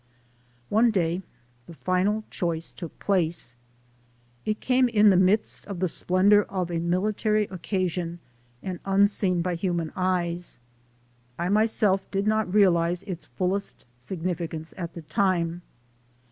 One day the final choice took place. It came in THE SOUL OF AN IMMIGRANT the midst of the splendor of a military occasion and unseen by human eyes. I myself did not realize its fullest significance at the time.